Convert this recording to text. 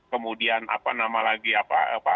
kemudian apa nama lagi apa